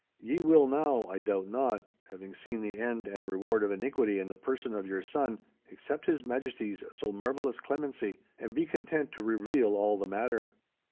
Ye will now, I doubt not, having seen the end and reward of iniquity in the person of your son, accept His Majesty's so marvellous clemency, and be content to reveal all the matter.